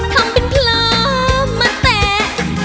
ทำเป็นเพลิงมาแตะ